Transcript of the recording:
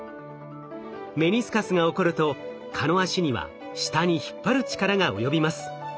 メニスカスが起こると蚊の脚には下に引っ張る力が及びます。